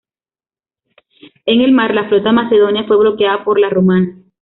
En el mar, la flota macedonia fue bloqueada por la romana.